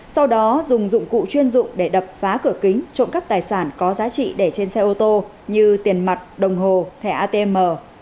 sau đó dùng dụng cụ chuyên dụng để đập phá cửa kính trộm cắp tài sản có giá trị để trên xe ô tô như tiền mặt đồng hồ thẻ atm